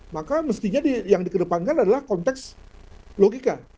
maka mestinya yang dikedepankan adalah konteks logika